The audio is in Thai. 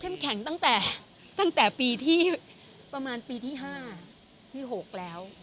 เข้มแข็งตั้งแต่ปีที่ประมาณปีที่๕๖แล้ว